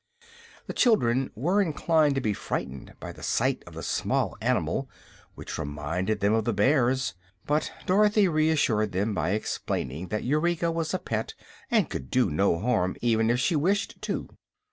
The children were inclined to be frightened by the sight of the small animal, which reminded them of the bears; but Dorothy reassured them by explaining that Eureka was a pet and could do no harm even if she wished to.